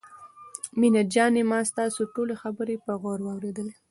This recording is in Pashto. مينه جانې ما ستاسو ټولې خبرې په غور واورېدلې.